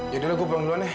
yaudah gue pulang dulu nih